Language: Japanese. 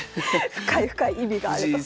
深い深い意味があると。